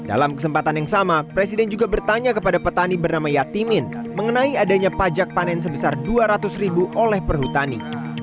dalam kesempatan yang sama presiden juga bertanya kepada petani bernama yatimin mengenai adanya pajak panen sebesar rp dua ratus ribu oleh perhutani